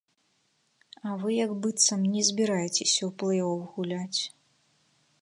А вы як быццам не збіраецеся ў плэй-оф гуляць.